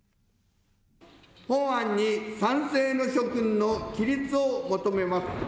本案に賛成の諸君の起立を求めます。